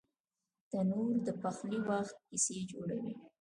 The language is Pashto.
تنور د پخلي وخت کیسې جوړوي